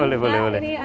boleh boleh boleh